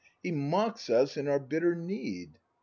] He mocks us in our bitter need